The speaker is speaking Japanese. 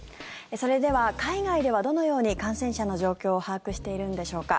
それでは海外ではどのように感染者の状況を把握しているのでしょうか。